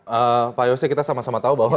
oke pak yose kita sama sama tahu bahwa